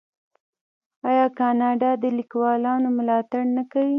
آیا کاناډا د لیکوالانو ملاتړ نه کوي؟